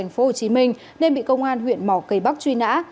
bình đã bỏ đi làm thuê tại tp hcm nên bị công an huyện mỏ cây bắc truy nã